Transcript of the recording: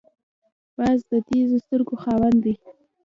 باز د تېزو سترګو خاوند دی